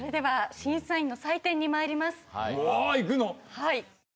はい。